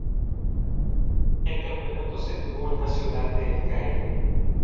El campeonato se jugó en la ciudad de El Cairo.